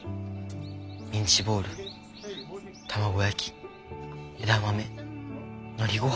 ミンチボール卵焼き枝豆のりごはん。